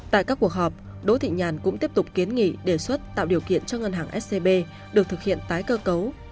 tại các cuộc họp đỗ thị nhàn cũng tiếp tục kiến nghị đề xuất tạo điều kiện cho ngân hàng scb được thực hiện tái cơ cấu